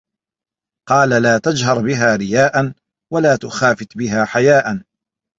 قَالَ لَا تَجْهَرْ بِهَا رِيَاءً ، وَلَا تُخَافِتْ بِهَا حَيَاءً